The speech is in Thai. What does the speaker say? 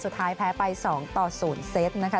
สุดท้ายแพ้ไป๒ต่อ๐เซตนะคะ